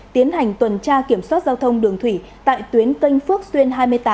tiến hành tuần tra kiểm soát giao thông đường thủy tại tuyến canh phước xuyên hai mươi tám